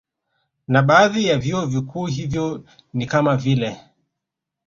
Na baadhi ya vyuo vikuu hivyo ni kama vile